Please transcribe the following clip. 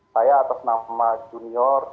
saya atas nama junior